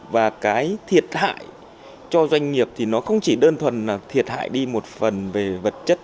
và cái thiệt hại cho doanh nghiệp thì nó không chỉ đơn thuần là thiệt hại đi một phần về vật chất